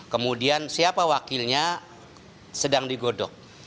kemudian siapa wakilnya sedang digodok